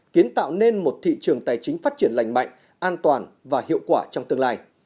kiến tạo nên một thị trường tài chính phát triển lành mạnh an toàn và hiệu quả trong tương lai